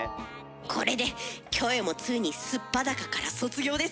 これでキョエもついに素っ裸から卒業です。